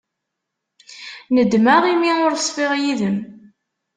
Nedmeɣ imi ur ṣfiɣ yid-m.